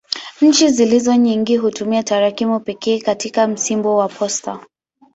Nchi zilizo nyingi hutumia tarakimu pekee katika msimbo wa posta.